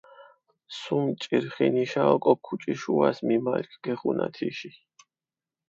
სუმ ჭირხინიშა ოკო ქუჭიშუას მიმალქჷ გეხუნა თიში.